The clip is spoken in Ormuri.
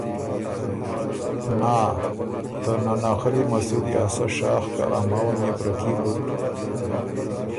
نا ته ناناخلی مسُدی ا سۀ شاخ که ا ماوه نيې بره کي بُک